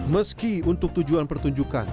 meski untuk tujuan pertunjukan